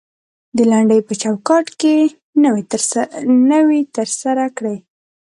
د لنډۍ په چوکات کې نوى تر سره کړى.